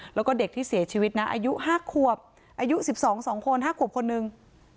แล้วก็เด็กที่เสียชีวิตนะอายุห้าควบอายุสิบสองสองคนห้าควบคนนึง